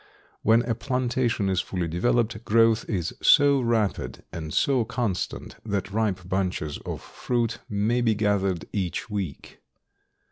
When a plantation is fully developed growth is so rapid and so constant that ripe bunches of fruit may be gathered each week.